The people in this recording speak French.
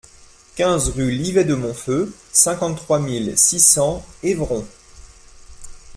quinze rue Livet de Monfeu, cinquante-trois mille six cents Évron